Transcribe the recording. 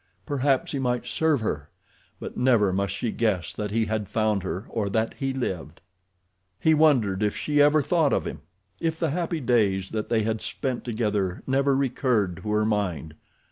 Perhaps he might serve her; but never must she guess that he had found her or that he lived. He wondered if she ever thought of him—if the happy days that they had spent together never recurred to her mind.